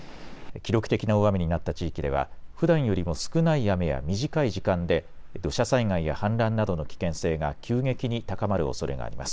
記録的な大雨になった地域ではふだんよりも少ない雨や短い時間で土砂災害や氾濫などの危険性が急激に高まるおそれがあります。